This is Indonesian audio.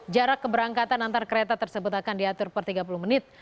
jarak keberangkatan antar kereta tersebut akan diatur per tiga puluh menit